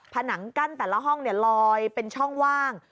ผนังกั้นแต่ละห้องลอยเป็นช่องว่าง